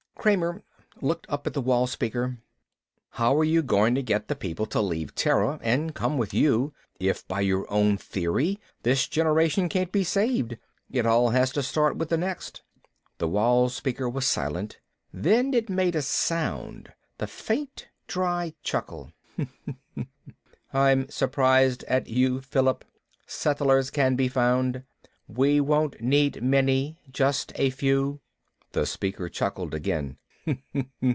Kramer looked up at the wall speaker. "How are you going to get the people to leave Terra and come with you, if by your own theory, this generation can't be saved, it all has to start with the next?" The wall speaker was silent. Then it made a sound, the faint dry chuckle. "I'm surprised at you, Philip. Settlers can be found. We won't need many, just a few." The speaker chuckled again.